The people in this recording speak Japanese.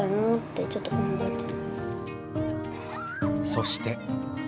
そして。